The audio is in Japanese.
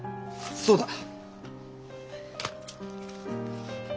そうだ。